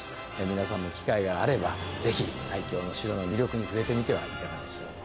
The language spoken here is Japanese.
皆さんも機会があれば是非最強の城の魅力に触れてみてはいかがでしょうか。